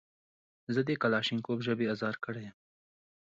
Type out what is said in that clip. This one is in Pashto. زه د کلاشینکوف ژبې ازار کړی یم.